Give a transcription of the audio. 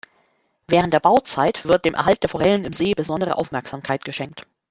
Während der Bauzeit wird dem Erhalt der Forellen im See besondere Aufmerksamkeit geschenkt.